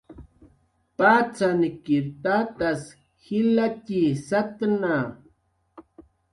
Patzankir tatas jilatxi satna.